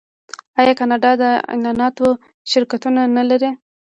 آیا کاناډا د اعلاناتو شرکتونه نلري؟